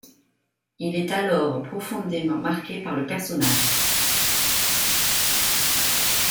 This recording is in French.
Il est alors profondément marqué par le personnage.